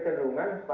sama dengan demikian